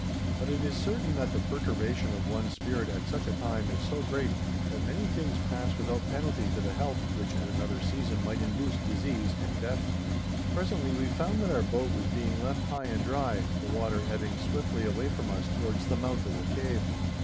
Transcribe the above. But it is certain that the perturbation of one's spirit at such a time is so great, that many things pass without penalty to the health which at another season might induce disease and death. Presently we found that our boat was being left high and dry, the water ebbing swiftly away from us towards the mouth of the cave.